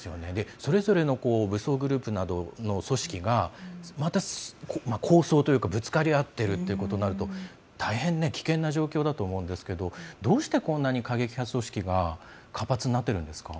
それぞれの武装グループなどの組織がまた抗争というかぶつかり合っているということになると大変危険な状況だと思うんですがどうして、こんなに過激派組織が活発になっているんですか？